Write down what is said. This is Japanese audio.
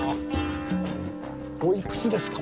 おいくつですか？